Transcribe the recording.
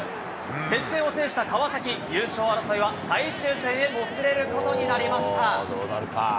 接戦を制した川崎、優勝争いは最終戦へもつれることになりました。